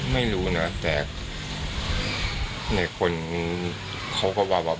ไม่รู้นะแต่ในคนเขาก็ว่าเยี่ยม